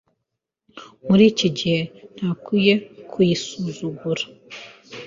muri iki gihe ntakwiye kuyisuzugura